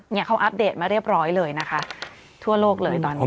เนี่ยเค้าอัปเดตมาเรียบร้อยเลยนะคะทั่วโลกเลยบ้าง